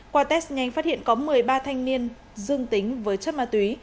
qua test nhanh phát hiện có một mươi ba thanh niên dương tính với chất ma túy